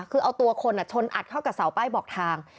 คือเอาตัวคนชนอัดเข้ากับเสาป้ายบอกทาง